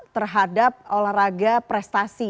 terhadap olahraga prestasi